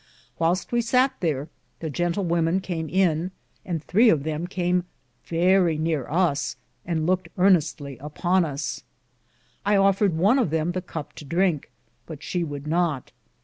Whylste we satt there, the Jentel wemen came in, and thre of them came verrie neare us, and louked earnestly upon us. I offered one of them the cup to drinke, but she would not.